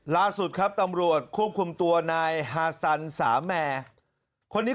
ล่าสุดครับตำรวจควบคุมตัวนายฮาซันสามแมร์คนนี้